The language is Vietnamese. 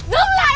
dừng lại anh đi